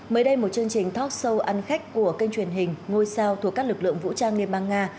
mới đây một chương trình talk show ăn khách của kênh truyền hình ngôi sao thuộc các lực lượng vũ trang liên bang nga